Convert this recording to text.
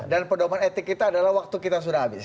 dan pendauman etik kita adalah waktu kita sudah habis